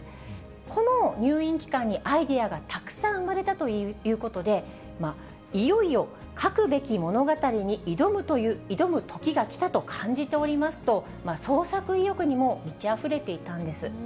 この入院期間にアイデアがたくさん生まれたということで、いよいよ描くべき物語に挑む時が来たと感じておりますと、創作意欲にも満ちあふれていたんです。